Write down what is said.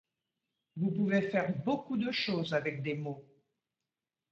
Vous pouvez faire beaucoup de choses avec des mots.